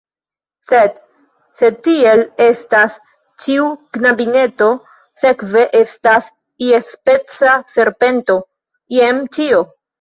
"Sed, se tiel estas, ĉiu knabineto sekve estas iuspeca serpento. Jen ĉio!"